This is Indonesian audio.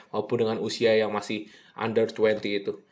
maupun dengan usia yang masih under dua puluh itu